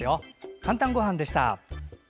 「かんたんごはん」でした。